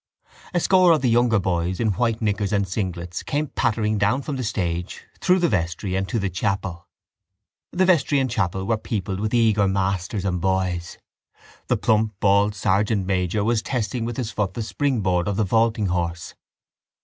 A score of the younger boys in white knickers and singlets came pattering down from the stage, through the vestry and into the chapel. The vestry and chapel were peopled with eager masters and boys. The plump bald sergeant major was testing with his foot the springboard of the vaulting horse.